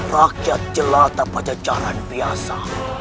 rakyat jelata pada jalan biasa